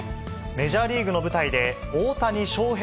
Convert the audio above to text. メジャーリーグの舞台で、大谷翔平